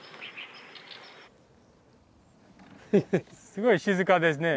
すごい静かですね。